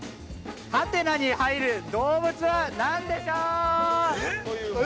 「？」に入る動物は何でしょう。